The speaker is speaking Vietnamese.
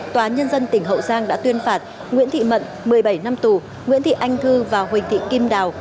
tòa nhân dân tỉnh hậu giang đã tuyên phạt nguyễn thị mận một mươi bảy năm tù nguyễn thị anh thư và huỳnh thị kim đào